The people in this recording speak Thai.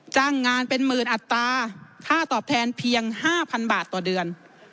จ้างงานเป็นหมื่นอัตราค่าตอบแทนเพียง๕๐๐๐บาทต่อเดือน